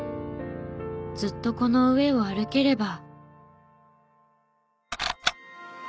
ずっとこの上を歩ければ。